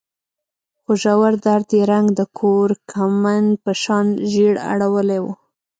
خو ژور درد يې رنګ د کورکمند په شان ژېړ اړولی و.